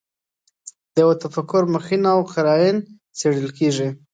د یوه تفکر مخینه او قراین څېړل کېږي.